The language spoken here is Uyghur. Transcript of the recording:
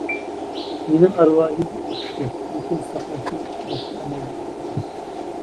مېنىڭ ئەرۋاھىم ئۇچتى، لېكىن ساقلاشتىن باشقا ئامال بولمىدى.